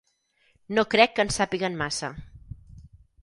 No crec que en sàpiguen massa.